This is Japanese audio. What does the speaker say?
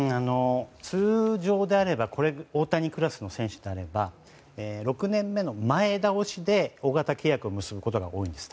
通常であれば大谷クラスの選手であれば６年目の前倒しで大型契約を結ぶことが多いんです。